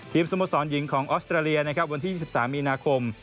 ทีมสมสรรหญิงของออสเตรเลียวันที่๒๓มีนาคม